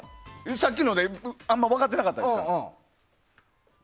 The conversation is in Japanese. さっきので、あまり分かってなかったですから。